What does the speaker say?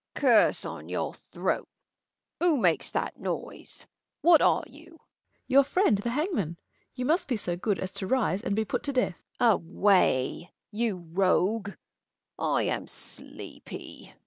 Curse on your throat ! who makes that noise % What are you ? Fool. Your friend, the hangman ! you must be so good As to rise, and be put to death. Bern. Away you rogue ! I am sleepy, Prov.